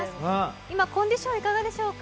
今、コンディションいかがでしょうか？